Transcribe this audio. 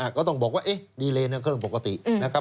อ่าก็ต้องบอกว่าเอ๊ะดีเลย์เนี่ยเครื่องปกติอืมนะครับ